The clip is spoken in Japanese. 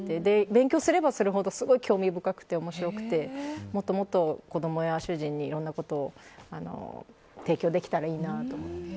勉強すればするほどすごい興味深くて面白くてもっともっと子供や主人にいろんなことを提供できたらいいなと思って。